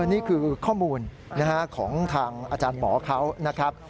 นี่คือข้อมูลของทางอาจารย์หมอเขานะครับ